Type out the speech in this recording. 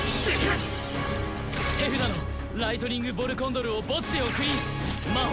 手札のライトニング・ボルコンドルを墓地へ送り魔法